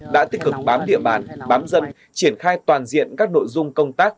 đã tích cực bám địa bàn bám dân triển khai toàn diện các nội dung công tác